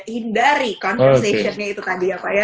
hindari conversation nya itu tadi ya pak ya